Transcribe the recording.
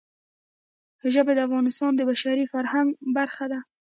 ژبې د افغانستان د بشري فرهنګ برخه ده.